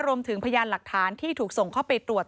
พยานหลักฐานที่ถูกส่งเข้าไปตรวจ